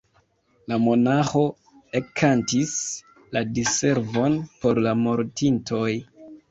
La monaĥo ekkantis la Diservon por la mortintoj.